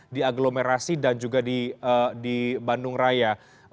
di aglomerasi dan juga di bandung raya